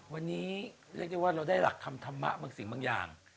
วันนี้เรียกได้ว่าเราได้หลักธรรมธรรมะบางสิ่งบางอย่าง